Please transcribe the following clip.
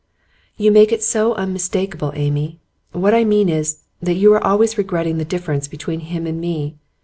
'You make it so unmistakable, Amy. What I mean is, that you are always regretting the difference between him and me.